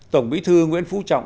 tổng bí thư nguyễn phú trọng